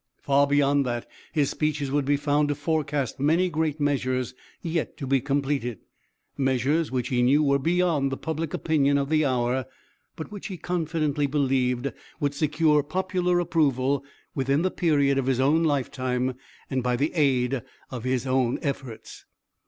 Far beyond that, his speeches would be found to forecast many great measures yet to be completed measures which he knew were beyond the public opinion of the hour, but which he confidently believed would secure popular approval within the period of his own lifetime, and by the aid of his own efforts.